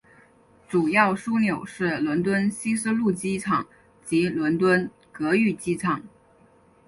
主要枢纽是伦敦希斯路机场及伦敦格域机场。